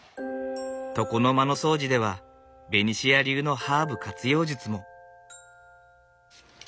床の間の掃除ではベニシア流のハーブ活用術も。